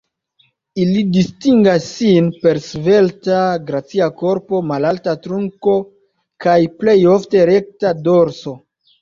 Ili distingas sin per svelta, gracia korpo, malalta trunko kaj plej ofte rekta dorso.